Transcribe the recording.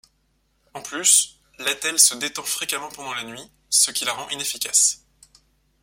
En plus l'attelle se détend fréquemment pendant la nuit, ce qui la rend inefficace.